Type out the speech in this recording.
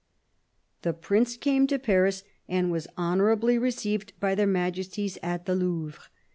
The Prince came to Paris, and was honourably received by their Majesties at the Louvre.